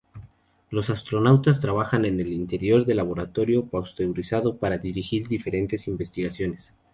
Los astronautas trabajan en el interior del laboratorio presurizado para dirigir diferentes investigaciones.